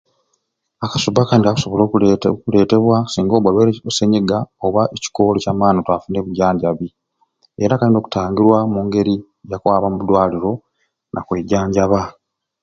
Akasubba kani kasobola kuleete kuleetebwa singa obba nga olwaire o senyiga oba ekikoolo ekya maani nga tofunire bujanjabi era Kali okutangirwamu mu ngeri ya kwaba muddwaliro nakwejanjaba.